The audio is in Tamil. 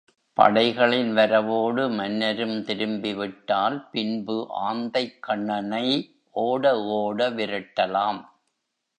படைகளின் வரவோடு மன்னரும் திரும்பிவிட்டால் பின்பு ஆந்தைக்கண்ணனை ஓட ஓட விரட்டலாம்.